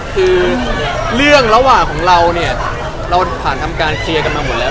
คือเรื่องระหว่างของเราเนี่ยเราผ่านทำการเคลียร์กันมาหมดแล้ว